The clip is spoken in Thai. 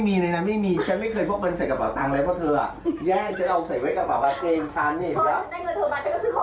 เดี๋ยวนางอ้ำบอกเงินเท่าไหร่บอกมาเงินเท่าไหร่ดูสิครับนางทุกอย่างเป็นเงินหมดเลยเนี่ย